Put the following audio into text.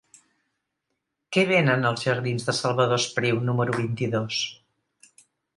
Què venen als jardins de Salvador Espriu número vint-i-dos?